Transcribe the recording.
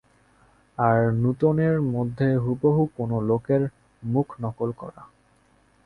আর নূতনের মধ্যে হুবহু কোন লোকের মুখ নকল করা।